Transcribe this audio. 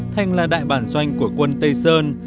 thành là đại bản doanh của quân tây sơn